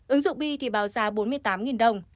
ứng dụng bi thì báo giá bốn mươi tám đồng